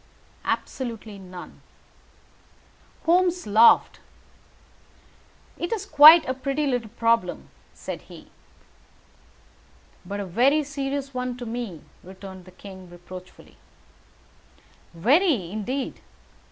"Absolutely none." Holmes laughed. "It is quite a pretty little problem," said he. "But a very serious one to me," returned the king, reproachfully. "Very, indeed.